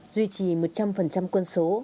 duy trì một trăm linh quân số